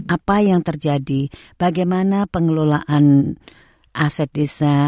apa yang terjadi bagaimana pengelolaan aset desa